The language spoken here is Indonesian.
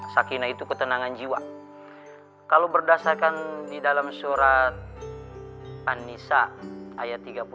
sakinah itu ketenangan jiwa kalau berdasarkan di dalam surat an nisa ayat tiga puluh empat